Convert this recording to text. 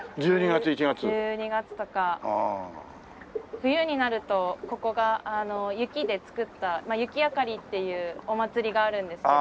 冬になるとここが雪で作った雪あかりっていうお祭りがあるんですけど。